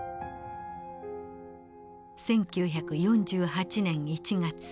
１９４８年１月。